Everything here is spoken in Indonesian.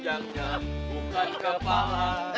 eh ini yang jalan jalan